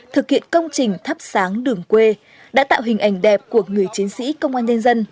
thực hiện công trình thắp sáng đường quê đã tạo hình ảnh đẹp của người chiến sĩ công an nhân dân